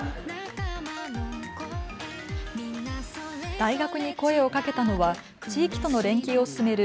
大学に声をかけたのは地域との連携を進める